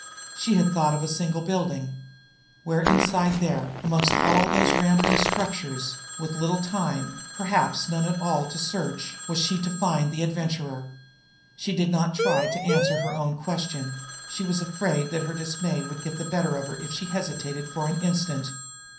She had thought of a single building. Where, inside there, amongst all those rambling structures, with little time, perhaps none at all, to search, was she to find the Adventurer? She did not try to answer her own question she was afraid that her dismay would get the better of her if she hesitated for an instant.